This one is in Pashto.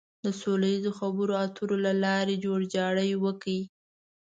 د سوله ييزو خبرو اترو له لارې جوړجاړی وکړي.